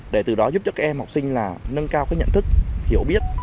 để từ đó giúp cho các em học sinh là nâng cao cái nhận thức hiểu biết